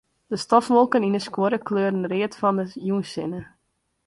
De stofwolken yn 'e skuorre kleuren read fan de jûnssinne.